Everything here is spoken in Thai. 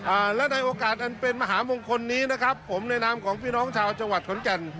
อ่าและในโอกาสอันเป็นมหามงคลนี้นะครับผมในนามของพี่น้องชาวจังหวัดขอนแก่น